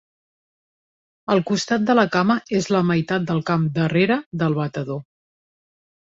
El costat de la cama és la meitat del camp "darrere" del batedor.